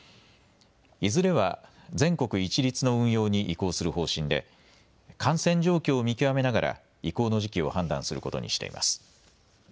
いずれは全国一律の運用に移行する方針で感染状況を見極めながら移行の時期を判断することにしています。